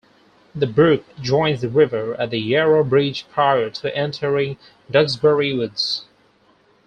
The brook joins the river at the Yarrow Bridge prior to entering Duxbury Woods.